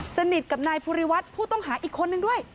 สนิทกับนายภูริวัฒน์ผู้ต้องหาอีกคนนึงด้วย